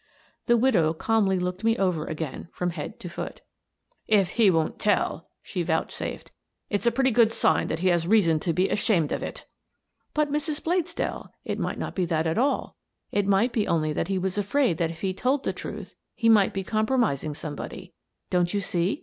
The widow calmly looked me over again from head to foot. "if he won't tell," she vouchsafed, " it's a pretty good sign that he has reason to be ashamed of it." " But, Mrs. Bladesdell, it might not be that at all. It might be only that he was afraid that if he told the truth he might be compromising somebody. Don't you see?